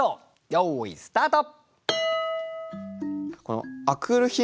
よーいスタート！